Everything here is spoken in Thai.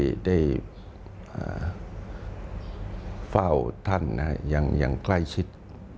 ตรงนี้ได้เฝ้าท่านอย่างใกล้ชิด